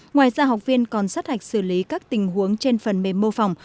ngoài ra học viên còn sát hạch xử lý các tình huống trên phần mềm mô phỏng